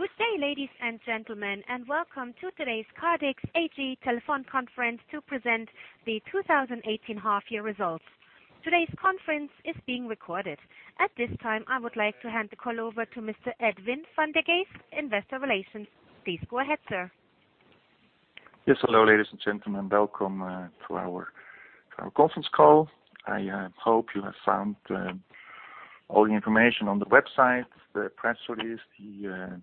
Good day, ladies and gentlemen, and welcome to today's Kardex AG telephone conference to present the 2018 half year results. Today's conference is being recorded. At this time, I would like to hand the call over to Mr. Edwin van der Geest, Investor Relations. Please go ahead, sir. Yes. Hello, ladies and gentlemen. Welcome to our conference call. I hope you have found all the information on the website, the press release, the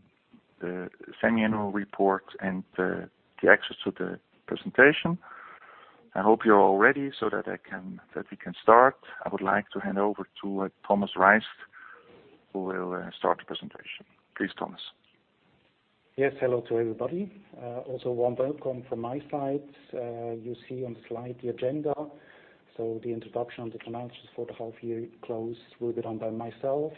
semi-annual report, and the access to the presentation. I hope you are all ready so that we can start. I would like to hand over to Thomas Reist, who will start the presentation. Please, Thomas. Yes, hello to everybody. Also, welcome from my side. You see on the slide, the agenda. The introduction on the financials for the half year close will be done by myself.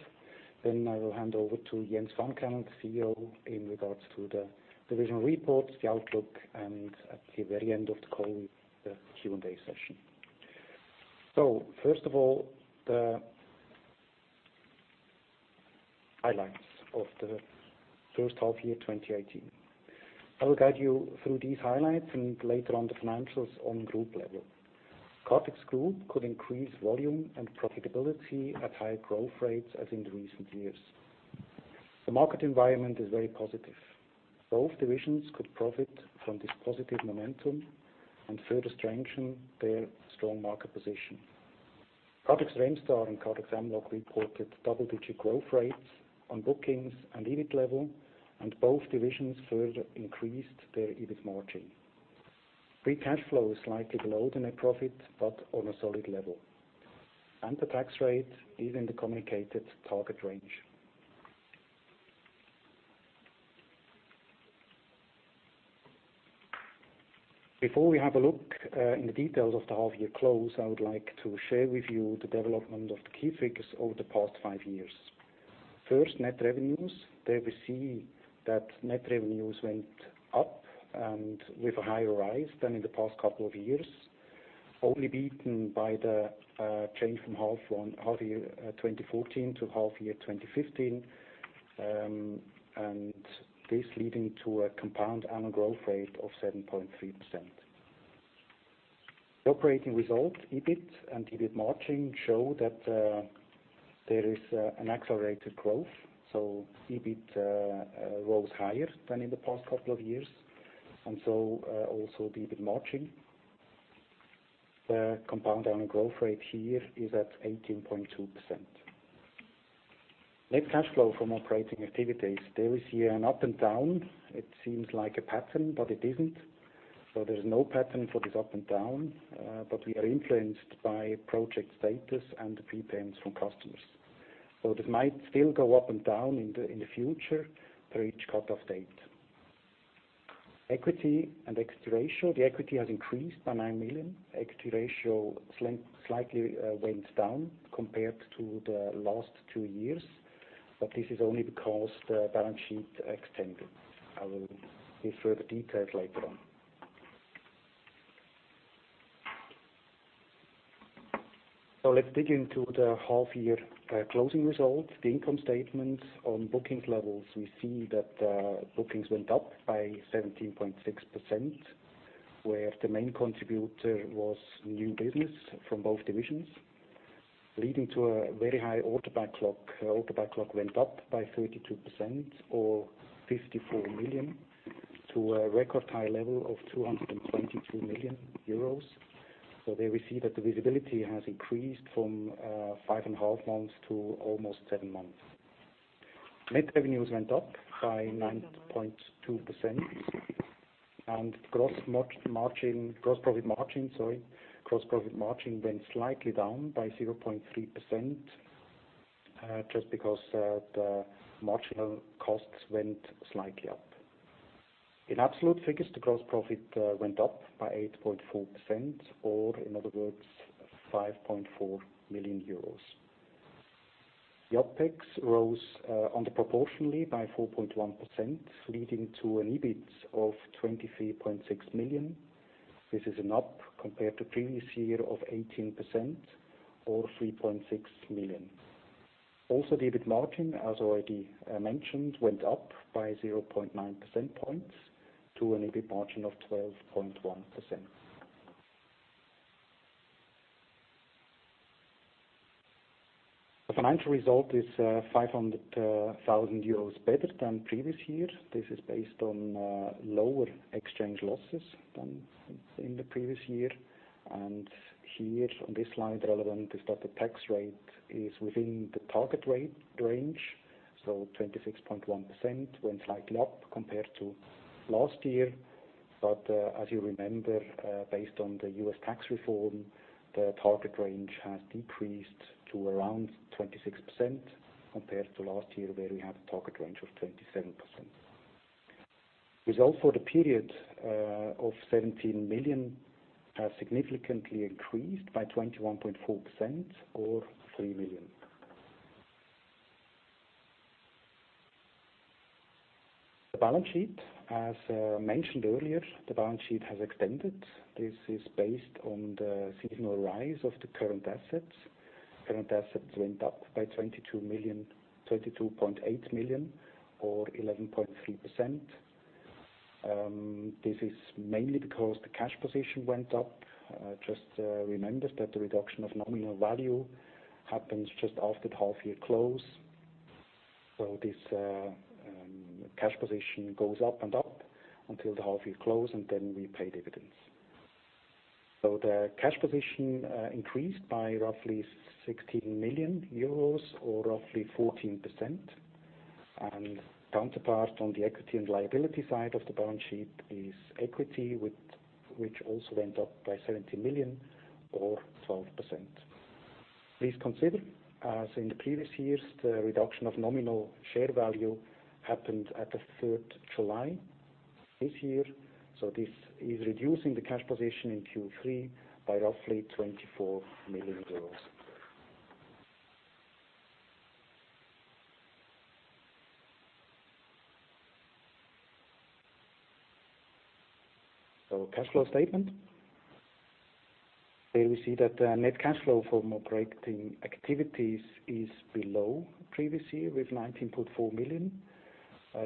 I will hand over to Jens Fankhänel, the CEO, in regards to the division reports, the outlook, and at the very end of the call, the Q&A session. First of all, the highlights of the first half year 2018. I will guide you through these highlights and later on the financials on group level. Kardex Group could increase volume and profitability at high growth rates as in the recent years. The market environment is very positive. Both divisions could profit from this positive momentum and further strengthen their strong market position. Kardex Remstar and Kardex Mlog reported double-digit growth rates on bookings and EBIT level, and both divisions further increased their EBIT margin. Free cash flow is slightly below the net profit, but on a solid level. The tax rate is in the communicated target range. Before we have a look in the details of the half year close, I would like to share with you the development of the key figures over the past five years. First, net revenues. There we see that net revenues went up and with a higher rise than in the past couple of years, only beaten by the change from half year 2014 to half year 2015, and this leading to a compound annual growth rate of 7.3%. The operating result, EBIT and EBIT margin, show that there is an accelerated growth. EBIT rose higher than in the past couple of years, and so also the EBIT margin. The compound annual growth rate here is at 18.2%. Net cash flow from operating activities. There is here an up and down. It seems like a pattern, but it isn't. There is no pattern for this up and down, but we are influenced by project status and the prepayments from customers. This might still go up and down in the future for each cut-off date. Equity and equity ratio. The equity has increased by 9 million. Equity ratio slightly went down compared to the last two years, but this is only because the balance sheet extended. I will give further details later on. Let's dig into the half year closing results, the income statements. On bookings levels, we see that bookings went up by 17.6%, where the main contributor was new business from both divisions, leading to a very high order backlog. Order backlog went up by 32% or 54 million to a record high level of 222 million euros. There we see that the visibility has increased from five and a half months to almost seven months. Net revenues went up by 9.2% and gross profit margin went slightly down by 0.3% just because the marginal costs went slightly up. In absolute figures, the gross profit went up by 8.4%, or in other words, 5.4 million euros. The OpEx rose under proportionally by 4.1%, leading to an EBIT of 23.6 million. This is an up compared to previous year of 18% or 3.6 million. Also, the EBIT margin, as already mentioned, went up by 0.9% points to an EBIT margin of 12.1%. The financial result is 500,000 euros better than previous year. This is based on lower exchange losses than in the previous year. Here on this slide relevant is that the tax rate is within the target rate range, 26.1% went slightly up compared to last year. As you remember, based on the US tax reform, the target range has decreased to around 26% compared to last year, where we had a target range of 27%. Result for the period of 17 million has significantly increased by 21.4% or 3 million. The balance sheet. As mentioned earlier, the balance sheet has extended. This is based on the seasonal rise of the current assets. Current assets went up by 22.8 million or 11.3%. This is mainly because the cash position went up. Just remember that the reduction of nominal value happens just after the half year close. This cash position goes up and up until the half year close, and then we pay dividends. The cash position increased by roughly 16 million euros or roughly 14%, and counterpart on the equity and liability side of the balance sheet is equity, which also went up by 70 million or 12%. Please consider, as in the previous years, the reduction of nominal share value happened at the 3rd July this year, so this is reducing the cash position in Q3 by roughly 24 million euros. Cash flow statement. There we see that the net cash flow from operating activities is below previous year with 19.4 million,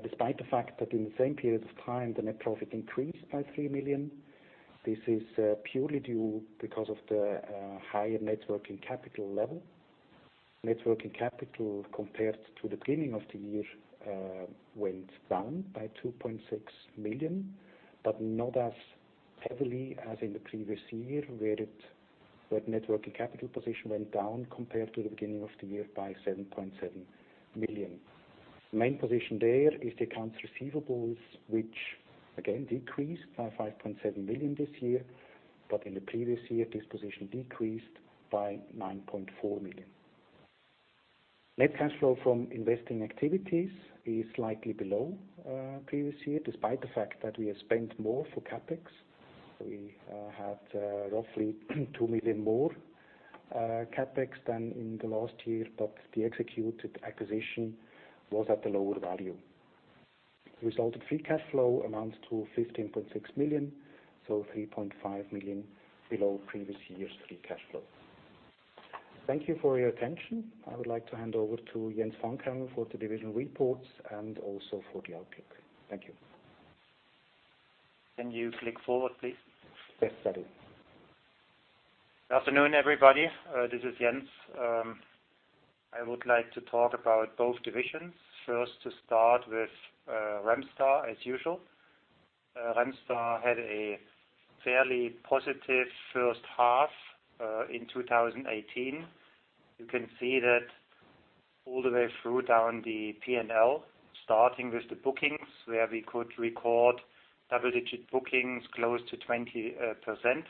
despite the fact that in the same period of time, the net profit increased by 3 million. This is purely due because of the higher net working capital level. Net working capital compared to the beginning of the year, went down by 2.6 million, but not as heavily as in the previous year, where net working capital position went down compared to the beginning of the year by 7.7 million. Main position there is the accounts receivables, which again decreased by 5.7 million this year, but in the previous year, this position decreased by 9.4 million. Net cash flow from investing activities is slightly below previous year, despite the fact that we have spent more for CapEx. We had roughly 2 million more CapEx than in the last year, but the executed acquisition was at the lower value. Result in free cash flow amounts to 15.6 million, so 3.5 million below previous year's free cash flow. Thank you for your attention. I would like to hand over to Jens Fankhänel for the division reports and also for the outlook. Thank you. Can you flick forward, please? Yes, sorry. Afternoon, everybody. This is Jens. I would like to talk about both divisions. First, to start with Remstar as usual. Remstar had a fairly positive first half in 2018. You can see that all the way through down the P&L, starting with the bookings, where we could record double-digit bookings close to 20%.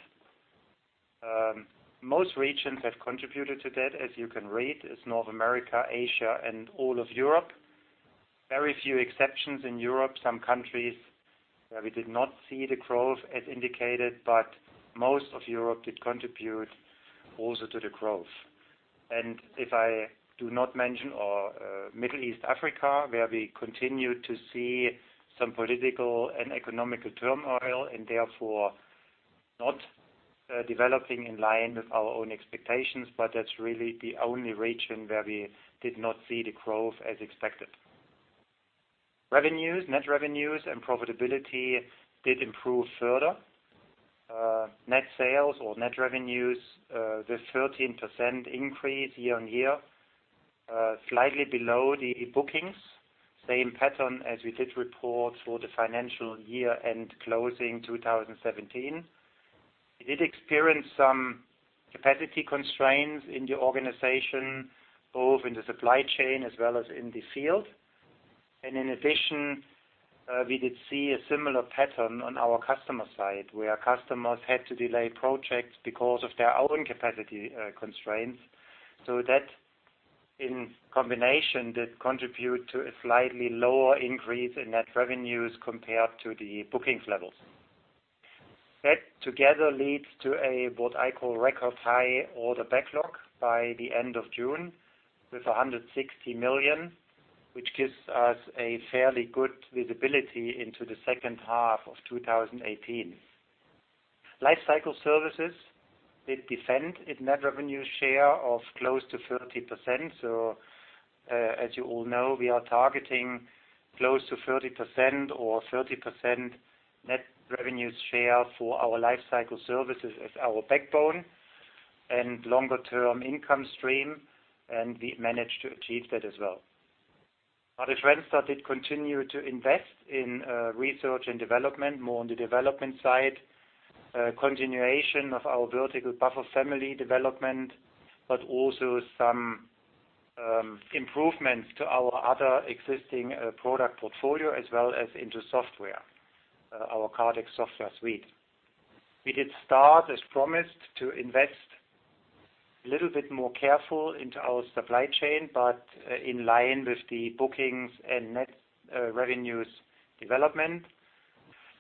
Most regions have contributed to that, as you can read, is North America, Asia and all of Europe. Very few exceptions in Europe. Some countries where we did not see the growth as indicated, but most of Europe did contribute also to the growth. If I do not mention Middle East, Africa, where we continue to see some political and economical turmoil and therefore not developing in line with our own expectations. That's really the only region where we did not see the growth as expected. Revenues, net revenues and profitability did improve further. Net sales or net revenues, the 13% increase year-on-year, slightly below the bookings. Same pattern as we did report for the financial year and closing 2017. We did experience some capacity constraints in the organization, both in the supply chain as well as in the field. In addition, we did see a similar pattern on our customer side, where customers had to delay projects because of their own capacity constraints. That in combination did contribute to a slightly lower increase in net revenues compared to the bookings levels. That together leads to a, what I call record high order backlog by the end of June with 160 million, which gives us a fairly good visibility into the second half of 2018. Lifecycle Services did defend its net revenue share of close to 30%. As you all know, we are targeting close to 30% or 30% net revenue share for our Lifecycle Services as our backbone and longer term income stream, and we managed to achieve that as well. Remstar did continue to invest in research and development, more on the development side, continuation of our Vertical Buffer Family development, but also some improvements to our other existing product portfolio as well as into software, our Kardex Software Solutions. We did start, as promised, to invest a little bit more careful into our supply chain, but in line with the bookings and net revenues development.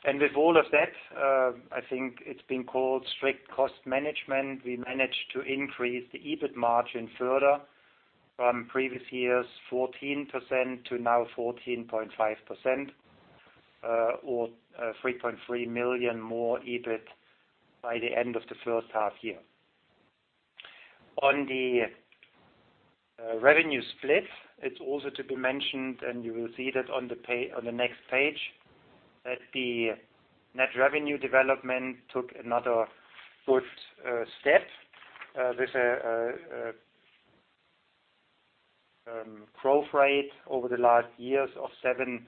With all of that, I think it's been called strict cost management. We managed to increase the EBIT margin further from previous years, 14%-14.5%, or 3.3 million more EBIT by the end of the first half year. On the revenue split, it's also to be mentioned, and you will see that on the next page, that the net revenue development took another good step with a growth rate over the last years of 7.9%.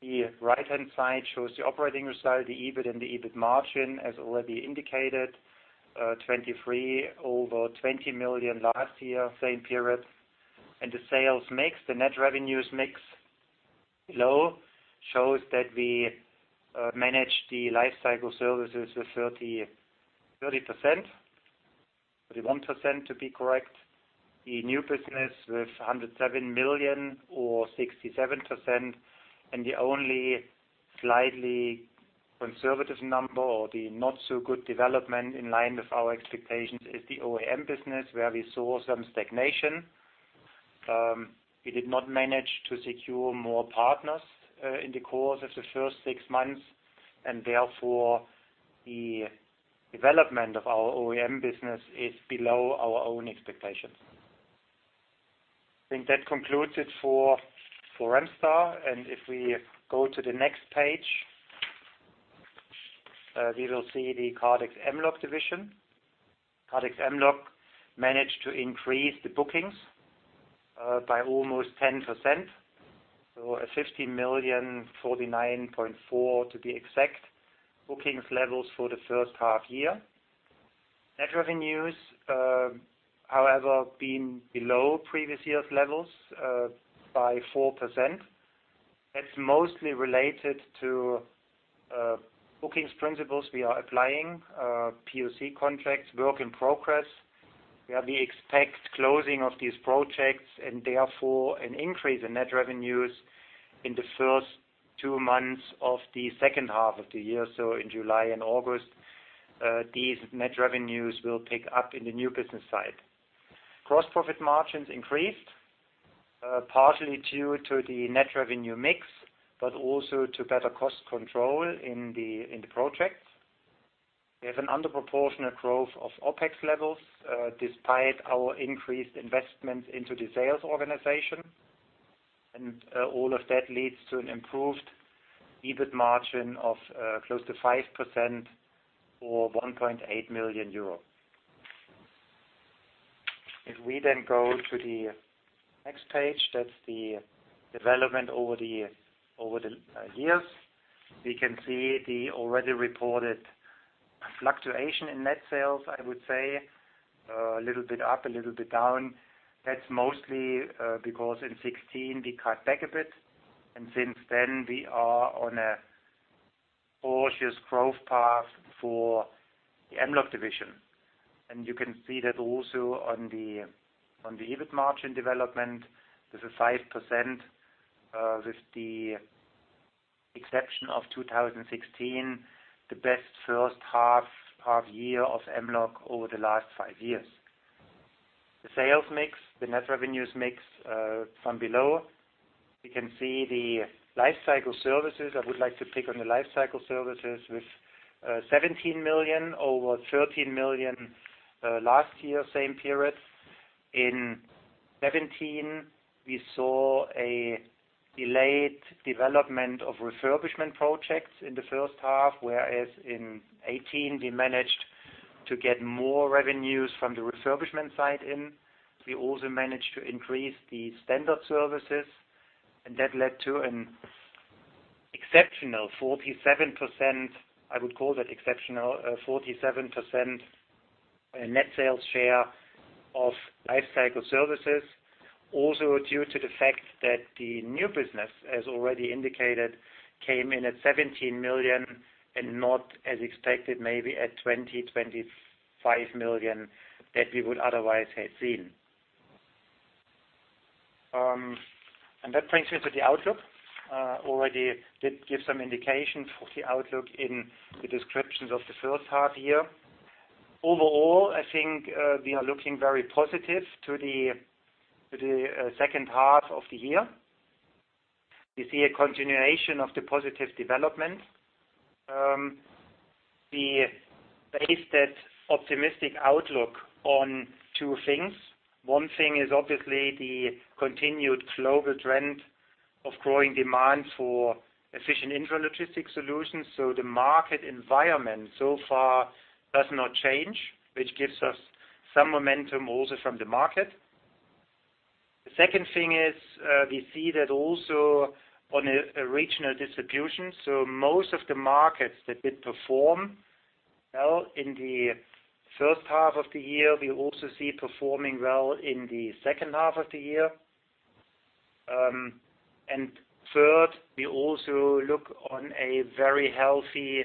The right-hand side shows the operating result, the EBIT and the EBIT margin, as already indicated, 23 million over 20 million last year, same period. The sales mix, the net revenues mix below shows that we managed the Lifecycle Services with 30%, 31% to be correct. The new business with 107 million or 67%, and the only slightly conservative number or the not-so-good development in line with our expectations is the OEM business, where we saw some stagnation. We did not manage to secure more partners in the course of the first six months, and therefore, the development of our OEM business is below our own expectations. I think that concludes it for Remstar. If we go to the next page, we will see the Kardex Mlog division. Kardex Mlog managed to increase the bookings by almost 10%, 15,049,400 to be exact, bookings levels for the first half year. Net revenues, however, have been below previous year's levels by 4%. That's mostly related to bookings principles we are applying, POC contracts, work in progress, where we expect closing of these projects and therefore an increase in net revenues in the first two months of the second half of the year. In July and August, these net revenues will pick up in the new business side. Gross profit margins increased, partially due to the net revenue mix, but also to better cost control in the projects. We have an under-proportionate growth of OpEx levels despite our increased investments into the sales organization. All of that leads to an improved EBIT margin of close to 5% or EUR 1.8 million. If we then go to the next page, that's the development over the years. We can see the already reported fluctuation in net sales, I would say, a little bit up, a little bit down. That's mostly because in 2016, we cut back a bit, and since then, we are on a cautious growth path for the Mlog division. You can see that also on the EBIT margin development, this is 5% with the exception of 2016, the best first half year of Mlog over the last five years. The sales mix, the net revenues mix from below. We can see the Lifecycle Services. I would like to pick on the Lifecycle Services with 17 million over 13 million last year, same period. In 2017, we saw a delayed development of refurbishment projects in the first half, whereas in 2018, we managed to get more revenues from the refurbishment side in. We also managed to increase the standard services, and that led to an exceptional 47%, I would call that exceptional 47% net sales share of Lifecycle Services. Also due to the fact that the new business, as already indicated, came in at 17 million and not as expected, maybe at 20 million-25 million that we would otherwise have seen. That brings me to the outlook. Already did give some indications for the outlook in the descriptions of the first half year. Overall, I think we are looking very positive to the second half of the year. We see a continuation of the positive development. We base that optimistic outlook on two things. One thing is obviously the continued global trend of growing demand for efficient intralogistics solutions. The market environment so far does not change, which gives us some momentum also from the market. The second thing is we see that also on a regional distribution. Most of the markets that did perform well in the first half of the year, we also see performing well in the second half of the year. Third, we also look on a very healthy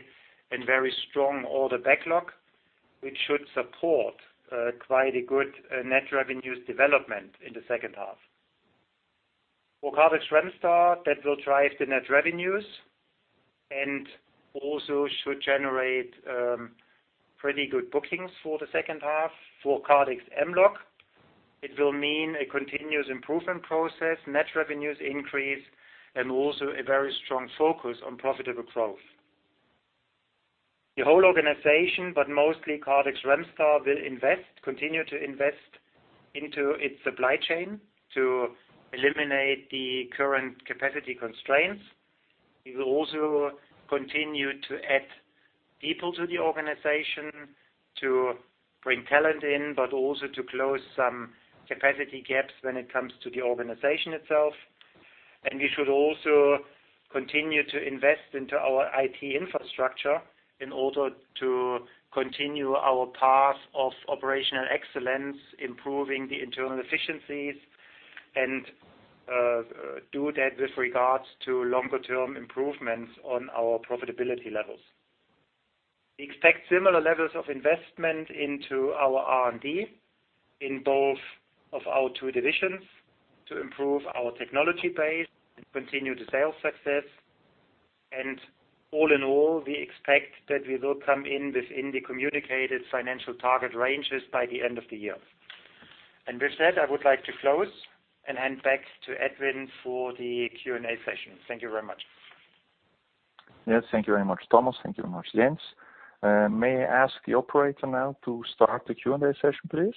and very strong order backlog. Which should support quite a good net revenues development in the second half. For Kardex Remstar, that will drive the net revenues and also should generate pretty good bookings for the second half. For Kardex Mlog, it will mean a continuous improvement process, net revenues increase, and also a very strong focus on profitable growth. The whole organization, but mostly Kardex Remstar, will continue to invest into its supply chain to eliminate the current capacity constraints. We will also continue to add people to the organization to bring talent in, but also to close some capacity gaps when it comes to the organization itself. We should also continue to invest into our IT infrastructure in order to continue our path of operational excellence, improving the internal efficiencies, and do that with regards to longer-term improvements on our profitability levels. We expect similar levels of investment into our R&D in both of our two divisions to improve our technology base and continue the sales success. All in all, we expect that we will come in within the communicated financial target ranges by the end of the year. With that, I would like to close and hand back to Edwin for the Q&A session. Thank you very much. Yes, thank you very much, Thomas. Thank you very much, Jens. May I ask the operator now to start the Q&A session, please?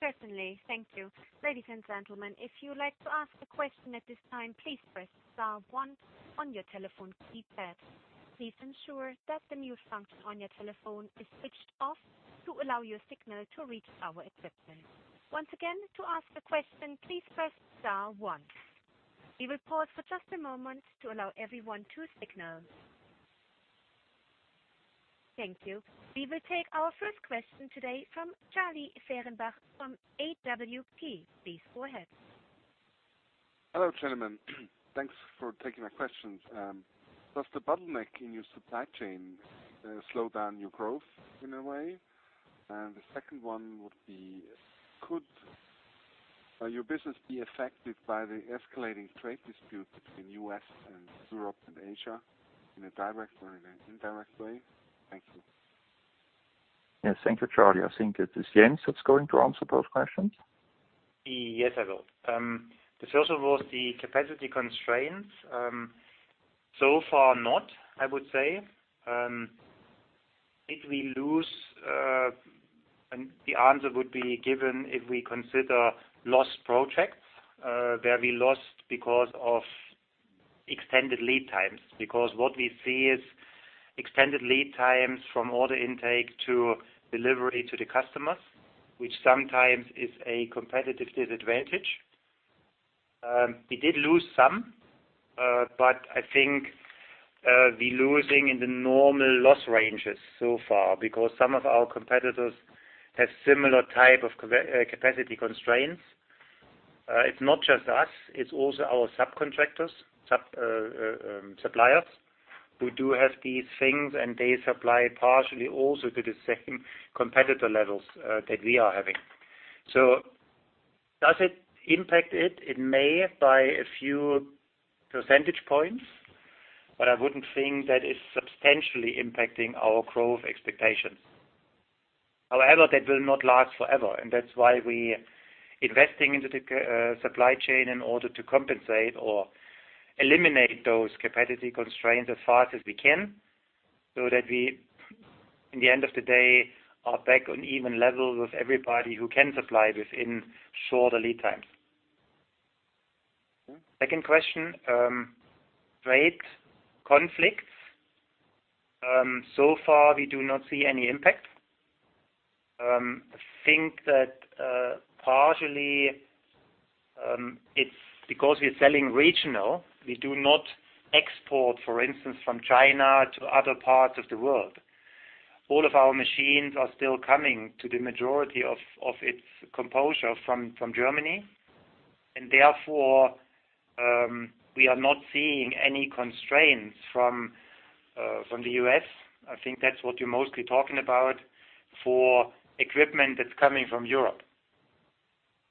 Certainly. Thank you. Ladies and gentlemen, if you'd like to ask a question at this time, please press star one on your telephone keypad. Please ensure that the mute function on your telephone is switched off to allow your signal to reach our equipment. Once again, to ask a question, please press star one. We will pause for just a moment to allow everyone to signal. Thank you. We will take our first question today from Charlie Fehrenbach from AWP. Please go ahead. Hello, gentlemen. Thanks for taking my questions. Does the bottleneck in your supply chain slow down your growth in a way? The second one would be, could your business be affected by the escalating trade dispute between U.S. and Europe and Asia in a direct or in an indirect way? Thank you. Yes, thank you, Charlie. I think it is Jens that's going to answer both questions. Yes, I will. The first of all is the capacity constraints. So far not, I would say. If we lose, the answer would be given if we consider lost projects, where we lost because of extended lead times. What we see is extended lead times from order intake to delivery to the customers, which sometimes is a competitive disadvantage. We did lose some, I think we losing in the normal loss ranges so far because some of our competitors have similar type of capacity constraints. It's not just us, it's also our subcontractors, suppliers, who do have these things and they supply partially also to the same competitor levels that we are having. Does it impact it? It may by a few percentage points, I wouldn't think that it's substantially impacting our growth expectations. However, that will not last forever and that's why we investing into the supply chain in order to compensate or eliminate those capacity constraints as fast as we can so that we, in the end of the day, are back on even levels with everybody who can supply within shorter lead times. Second question, trade conflicts. So far, we do not see any impact. I think that partially it's because we're selling regional. We do not export, for instance, from China to other parts of the world. All of our machines are still coming to the majority of its composure from Germany, and therefore, we are not seeing any constraints from the U.S. I think that's what you're mostly talking about for equipment that's coming from Europe.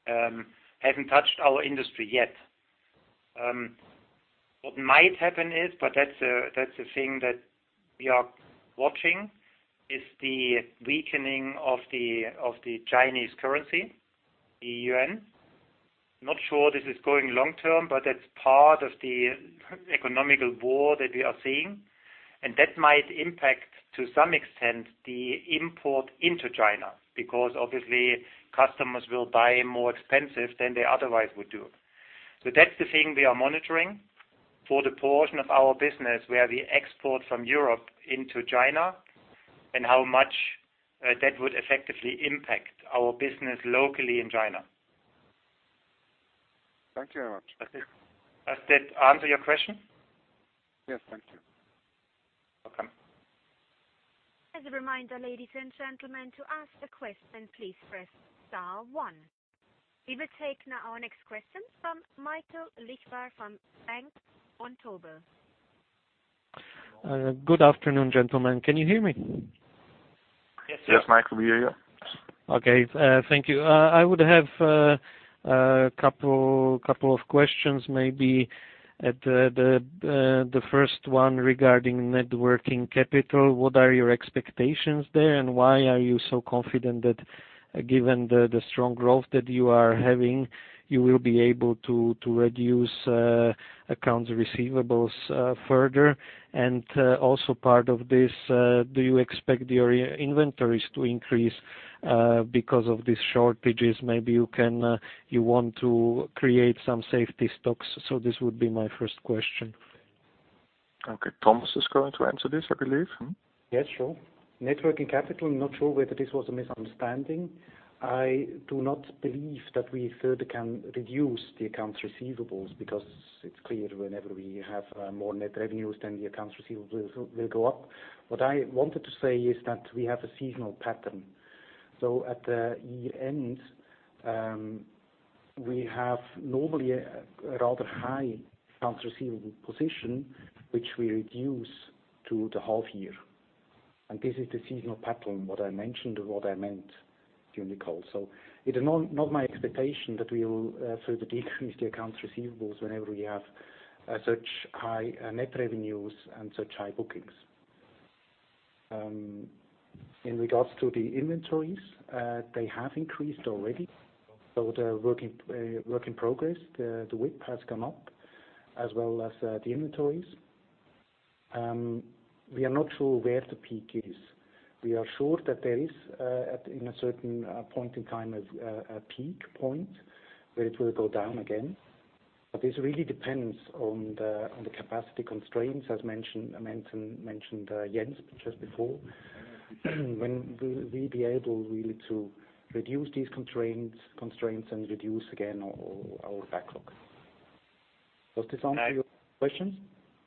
Hasn't touched our industry yet. What might happen is, but that's a thing that we are watching, is the weakening of the Chinese currency, the yuan. Not sure this is going long term, but that's part of the economic war that we are seeing. That might impact, to some extent, the import into China, because obviously customers will buy more expensive than they otherwise would do. That's the thing we are monitoring for the portion of our business where we export from Europe into China and how much that would effectively impact our business locally in China. Thank you very much. Does that answer your question? Yes. Thank you. Welcome. As a reminder, ladies and gentlemen, to ask a question, please press star one. We will take now our next question from Michael Lichvar from Bank Vontobel. Good afternoon, gentlemen. Can you hear me? Yes, Michael, we hear you. Okay. Thank you. I would have a couple of questions maybe. The first one regarding networking capital, what are your expectations there, and why are you so confident that given the strong growth that you are having, you will be able to reduce accounts receivables further? Also part of this, do you expect your inventories to increase because of these shortages? Maybe you want to create some safety stocks. This would be my first question. Okay. Thomas is going to answer this, I believe. Yes, sure. Networking capital, I am not sure whether this was a misunderstanding. I do not believe that we further can reduce the accounts receivables because it is clear whenever we have more net revenues, then the accounts receivables will go up. What I wanted to say is that we have a seasonal pattern. At the year-end, we have normally a rather high accounts receivable position, which we reduce through the half year. This is the seasonal pattern, what I mentioned or what I meant during the call. It is not my expectation that we will further decrease the accounts receivables whenever we have such high net revenues and such high bookings. In regards to the inventories, they have increased already. The work in progress, the WIP has gone up as well as the inventories. We are not sure where the peak is. We are sure that there is, in a certain point in time, a peak point where it will go down again. This really depends on the capacity constraints, as mentioned Jens, just before. When we'll be able really to reduce these constraints and reduce again our backlog. Does this answer your question?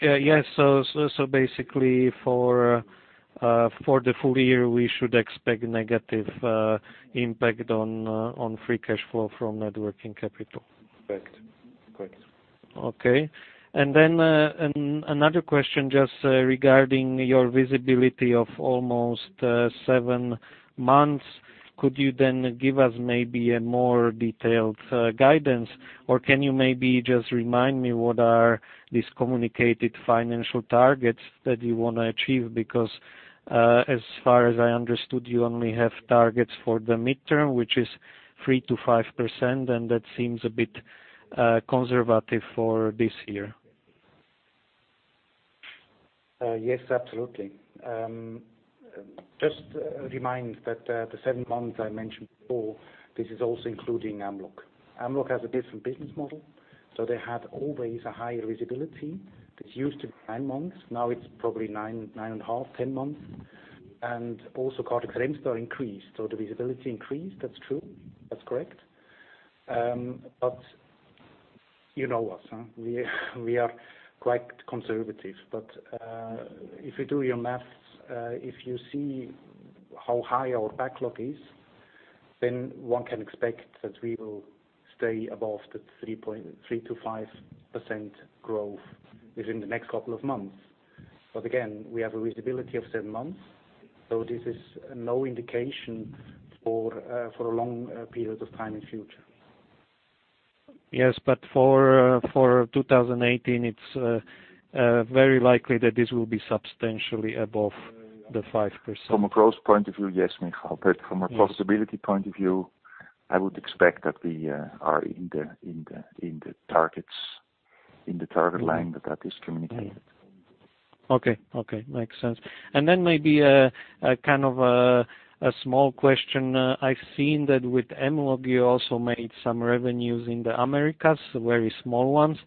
Yes. Basically for the full year, we should expect negative impact on free cash flow from net working capital. Correct. Okay. Another question just regarding your visibility of almost seven months. Could you then give us maybe a more detailed guidance or can you maybe just remind me what are these communicated financial targets that you want to achieve? As far as I understood, you only have targets for the midterm, which is 3%-5%, and that seems a bit conservative for this year. Yes, absolutely. Just remind that the seven months I mentioned before, this is also including Mlog. Mlog has a different business model, they had always a higher visibility. It used to be nine months. Now it's probably nine and a half, 10 months. Also, Kardex Remstar increased. The visibility increased, that's true. That's correct. You know us. We are quite conservative. If you do your math, if you see how high our backlog is, then one can expect that we will stay above the 3%-5% growth within the next couple of months. Again, we have a visibility of seven months, this is no indication for a long period of time in future. Yes. For 2018, it's very likely that this will be substantially above the 5%. From a growth point of view, yes, Michael. From a profitability point of view, I would expect that we are in the target line that is communicated. Okay. Makes sense. Maybe a small question. I've seen that with Mlog, you also made some revenues in the Americas, very small ones.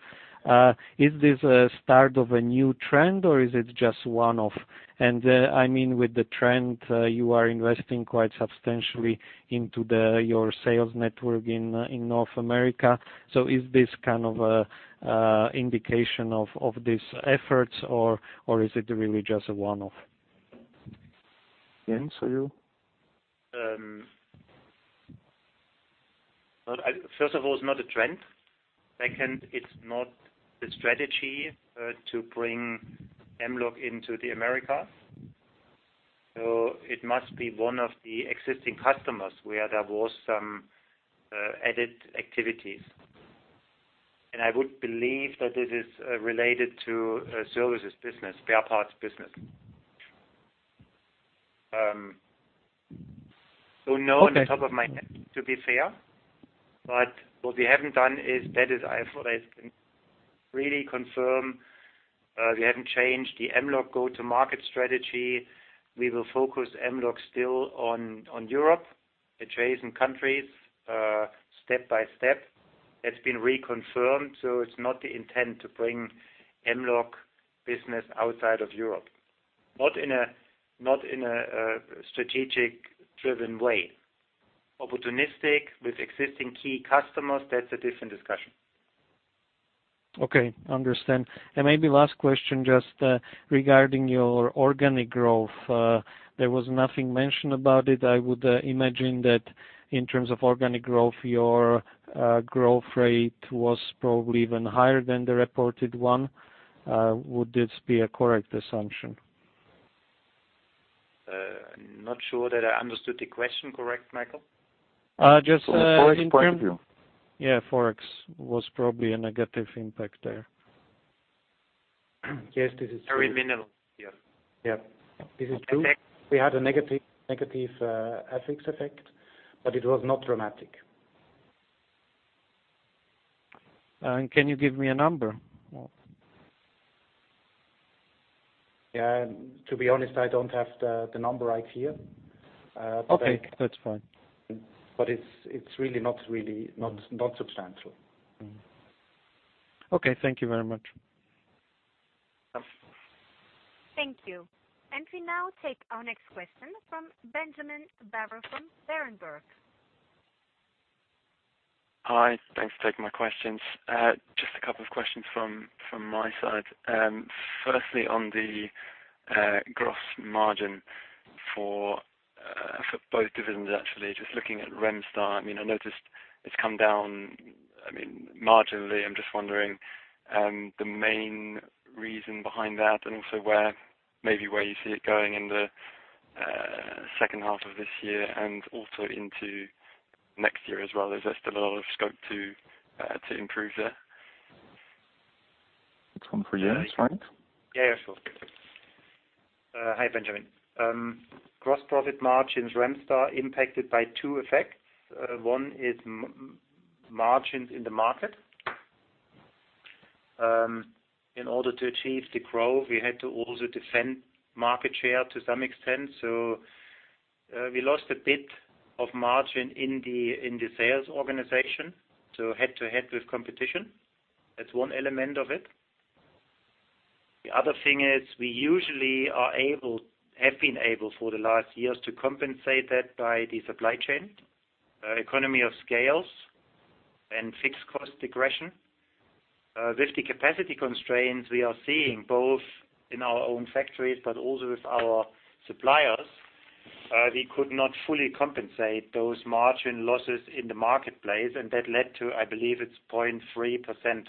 Is this a start of a new trend, or is it just one-off? I mean, with the trend, you are investing quite substantially into your sales network in North America. Is this kind of indication of these efforts or is it really just a one-off? Jens, to you. First of all, it's not a trend. Second, it's not the strategy to bring Mlog into the Americas. It must be one of the existing customers where there was some added activities. I would believe that this is related to services business, spare parts business. None at the top of my head, to be fair. What we haven't done is that is I can really confirm, we haven't changed the Mlog go-to-market strategy. We will focus Mlog still on Europe, adjacent countries, step by step. That's been reconfirmed. It's not the intent to bring Mlog business outside of Europe. Not in a strategic-driven way. Opportunistic with existing key customers, that's a different discussion. Okay, understand. Maybe last question, just regarding your organic growth. There was nothing mentioned about it. I would imagine that in terms of organic growth, your growth rate was probably even higher than the reported one. Would this be a correct assumption? Not sure that I understood the question correct, Michael. Just- Forex point of view. Yeah, Forex was probably a negative impact there. Yes, this is true. Very minimal. Yeah. Yeah. This is true. We had a negative FX effect, but it was not dramatic. Can you give me a number? Yeah. To be honest, I don't have the number right here. Okay, that's fine. It's really not substantial. Okay. Thank you very much. Welcome. Thank you. We now take our next question from Benjamin Barber from Berenberg. Hi. Thanks for taking my questions. Just a couple of questions from my side. Firstly, on the gross margin for both divisions actually, just looking at Remstar, I noticed it's come down, marginally. I'm just wondering the main reason behind that and also maybe where you see it going in the second half of this year and also into next year as well. Is there still a lot of scope to improve there? It's one for you, Jens. Yeah, sure. Hi, Benjamin. Gross profit margins, Remstar impacted by two effects. One is margins in the market. In order to achieve the growth, we had to also defend market share to some extent. We lost a bit of margin in the sales organization, so head to head with competition. That's one element of it. The other thing is we usually have been able for the last years to compensate that by the supply chain, economy of scales, and fixed cost degression. With the capacity constraints we are seeing both in our own factories, but also with our suppliers, we could not fully compensate those margin losses in the marketplace, and that led to, I believe it's 0.3%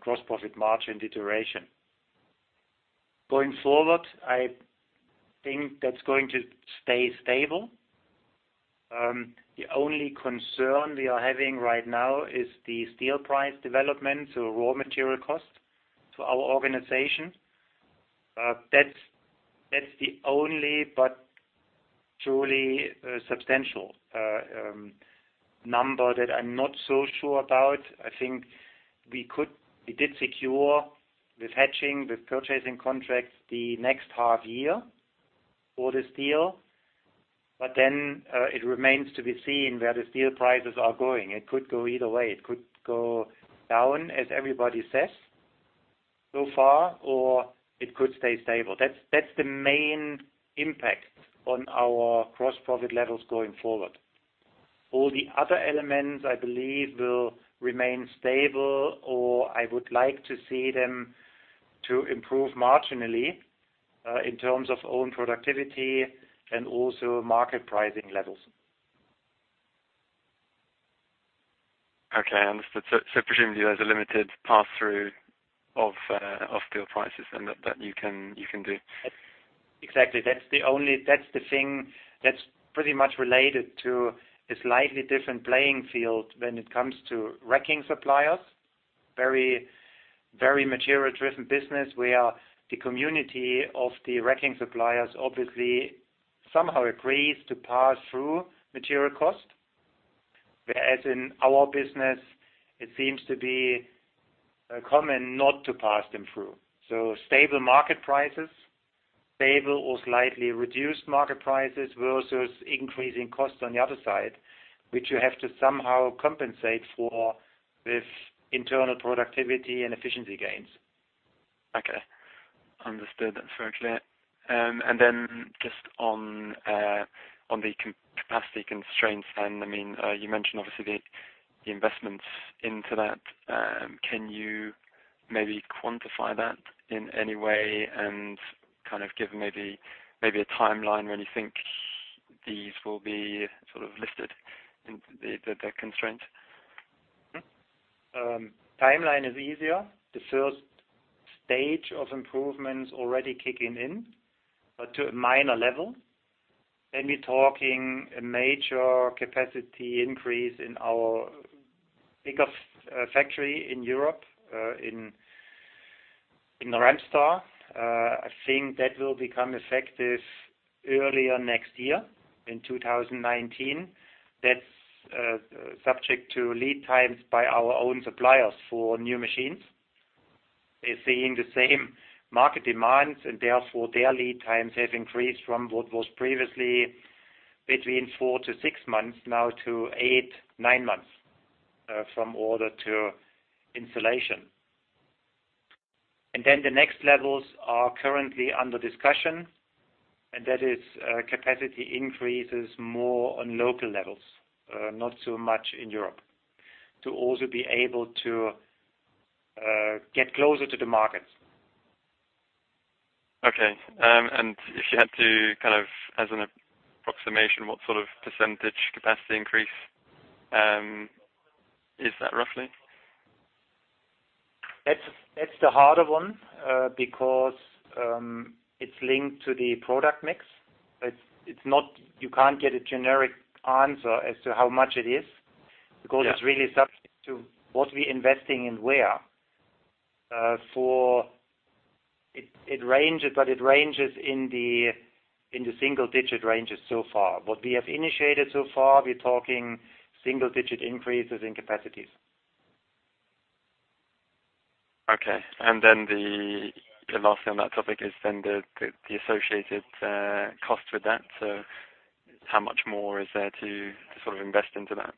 gross profit margin deterioration. Going forward, I think that's going to stay stable. The only concern we are having right now is the steel price development, so raw material cost to our organization. That's the only but truly substantial number that I'm not so sure about. I think we did secure with hedging, with purchasing contracts the next half year for the steel. It remains to be seen where the steel prices are going. It could go either way. It could go down, as everybody says so far, or it could stay stable. That's the main impact on our gross profit levels going forward. All the other elements, I believe, will remain stable or I would like to see them to improve marginally, in terms of own productivity and also market pricing levels. Okay, understood. Presumably there's a limited pass-through of steel prices and that you can do. Exactly. That's pretty much related to a slightly different playing field when it comes to racking suppliers. Very material-driven business where the community of the racking suppliers obviously somehow agrees to pass through material cost. Whereas in our business, it seems to be common not to pass them through. Stable market prices, stable or slightly reduced market prices versus increasing costs on the other side, which you have to somehow compensate for with internal productivity and efficiency gains. Okay. Understood. That's very clear. Just on the capacity constraints then, you mentioned obviously the investments into that. Can you maybe quantify that in any way and give maybe a timeline when you think these will be lifted in the constraint? Timeline is easier. The first stage of improvements already kicking in, but to a minor level. We're talking a major capacity increase in our biggest factory in Europe, in Remstar. I think that will become effective earlier next year, in 2019. That's subject to lead times by our own suppliers for new machines. They're seeing the same market demands and therefore their lead times have increased from what was previously between four to six months now to eight, nine months, from order to installation. The next levels are currently under discussion, and that is capacity increases more on local levels, not so much in Europe, to also be able to get closer to the markets. Okay. If you had to, as an approximation, what sort of percentage capacity increase is that roughly? That's the harder one, because it's linked to the product mix. You can't get a generic answer as to how much it is. Yeah because it's really subject to what we're investing and where. It ranges in the single digit ranges so far. What we have initiated so far, we're talking single digit increases in capacities. Okay. The last thing on that topic is then the associated cost with that. How much more is there to sort of invest into that?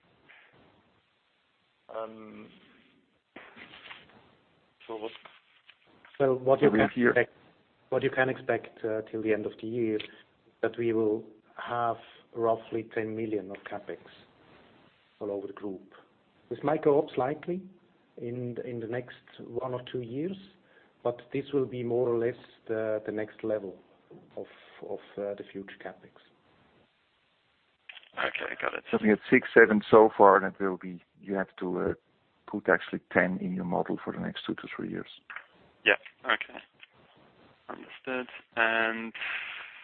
What you can expect till the end of the year, that we will have roughly 10 million of CapEx all over the group. This might go up slightly in the next one or two years, but this will be more or less the next level of the future CapEx. Okay. Got it. Something at six, seven so far. You have to put actually 10 in your model for the next two to three years. Okay. Understood.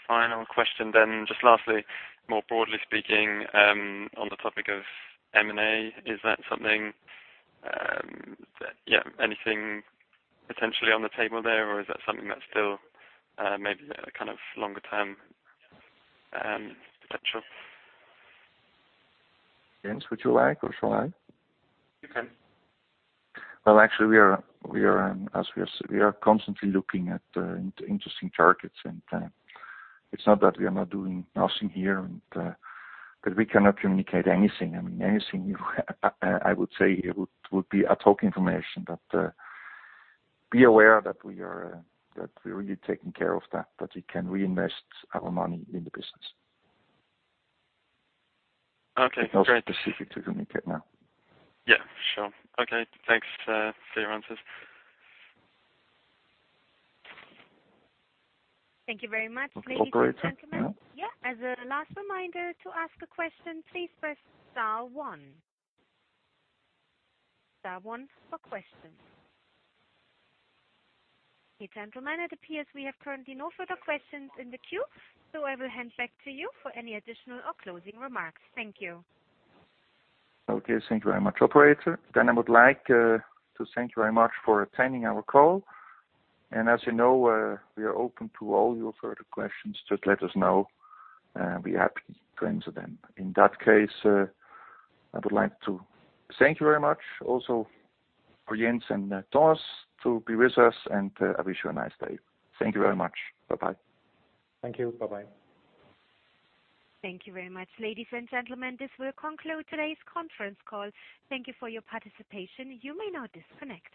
Final question, just lastly, more broadly speaking, on the topic of M&A, is that something potentially on the table there, or is that something that's still maybe a kind of longer-term potential? Jens, would you like, or shall I? You can. Well, actually, we are constantly looking at interesting targets, and it's not that we are not doing nothing here and that we cannot communicate anything. I mean, anything I would say here would be a talk information, but be aware that we are really taking care of that we can reinvest our money in the business. Okay, great. Nothing specific to communicate now. Yeah. Sure. Okay. Thanks for your answers. Thank you very much, ladies and gentlemen. Operator. Yeah. As a last reminder to ask a question, please press star one. Star one for questions. Gentlemen, it appears we have currently no further questions in the queue. I will hand back to you for any additional or closing remarks. Thank you. Thank you very much, operator. I would like to thank you very much for attending our call. As you know, we are open to all your further questions. Just let us know, and be happy to answer them. In that case, I would like to thank you very much also for Jens and Thomas to be with us. I wish you a nice day. Thank you very much. Bye-bye. Thank you. Bye-bye. Thank you very much, ladies and gentlemen. This will conclude today's conference call. Thank you for your participation. You may now disconnect.